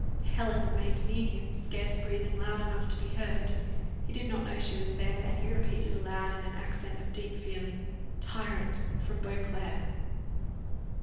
Helen remained near him, scarce breathing loud enough to be heard; he did not know she was there, and he repeated aloud, in an accent of deep feeling, "Tyrant! from Beauclerc!"